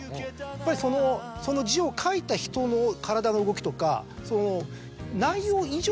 やっぱりその字を書いた人の体の動きとか。